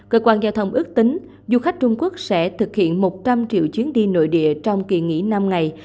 cơ quan giao thông ước tính du khách trung quốc sẽ thực hiện một trăm linh triệu chuyến đi nội địa trong kỳ nghỉ năm ngày